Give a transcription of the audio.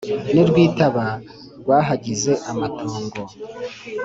n'i rwitaba rwahagize amatongo.